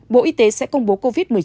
bộ y tế sẽ công bố covid một mươi chín